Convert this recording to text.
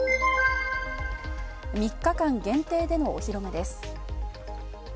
３日間限定でのお披露目です。